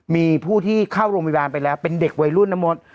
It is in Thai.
มีผู้ที่เข้าโรงพยาบาลไปแล้วเป็นเด็กวัยรุ่นน้ำมด